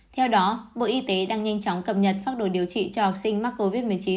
theo đó bộ y tế đang nhanh chóng cập nhật pháp đồ điều trị cho học sinh mắc covid một mươi chín